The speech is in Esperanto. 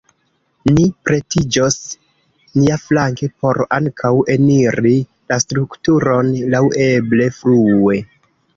Ni pretiĝos niaflanke por ankaŭ eniri la strukturon laŭeble frue.